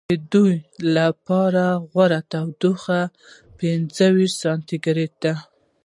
د دوی لپاره غوره تودوخه پنځه ویشت سانتي ګرېد ده.